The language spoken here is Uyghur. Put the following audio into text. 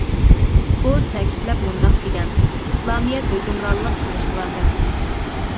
ئۇ تەكىتلەپ مۇنداق دېگەن: ئىسلامىيەت ھۆكۈمرانلىق قىلىشى لازىم.